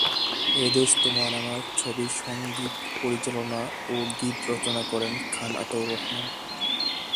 এ দেশ তোমার আমার ছবির সংগীত পরিচালনা ও গীত রচনা করেন খান আতাউর রহমান।